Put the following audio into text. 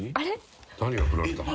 何が振られたの？